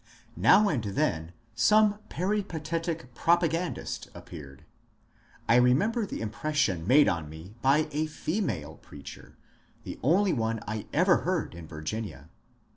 Now and then some peripatetic propagandist appeared. I remem ber the impression made on me by a female preacher, the only one I ever heard in Virginia.